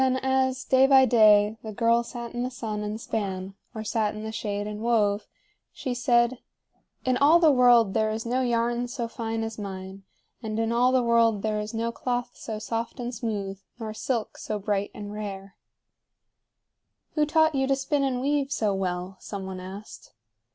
Then as, day by day, the girl sat in the sun and span, or sat in the shade and wove, she said: "In all the world there is no yarn so fine as mine, and in all the world there is no cloth so soft and smooth, nor silk so bright and rare." [Illustration: "'ARACHNE, I AM ATHENA, THE QUEEN OF THE AIR.'"] "Who taught you to spin and weave so well?" some one asked.